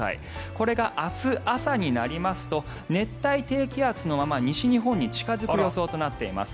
これが明日朝になりますと熱帯低気圧のまま西日本に近付く予想となっています。